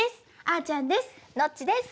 あーちゃんです。